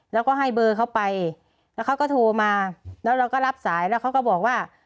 แล้วก็ให้เบอร์เขาไปแล้วเขาก็โทรมาแล้วเราก็รับสายแล้วเขาก็บอกว่า